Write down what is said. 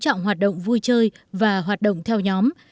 trọng hoạt động vui chơi và hoạt động theo nhóm